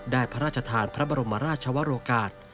พระราชทานพระบรมราชวรกาศ